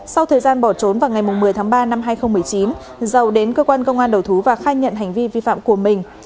sau thời gian bỏ trốn vào ngày một mươi tháng ba năm hai nghìn một mươi chín giàu đến cơ quan công an đầu thú và khai nhận hành vi vi phạm của mình